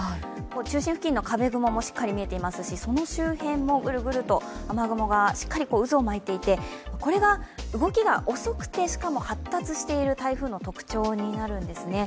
中心付近の風雲もしっかりみえていますしその周辺もぐるぐると雨雲が渦を巻いていてこれが動きが遅くてしかも発達している台風の特徴になるんですね。